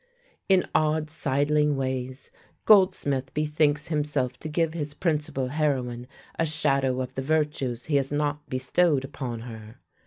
In odd sidling ways Goldsmith bethinks himself to give his principal heroine a shadow of the virtues he has not bestowed upon her.